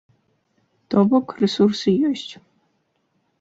То бок, рэсурсы ёсць.